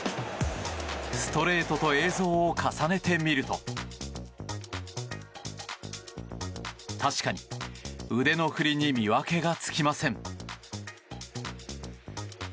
ストレートと映像を重ねてみると確かに腕の振りに見分けがつきません。